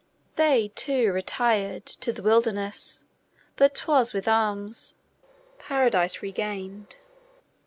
They, too, retired To the wilderness, but 'twas with arms. PARADISE REGAINED.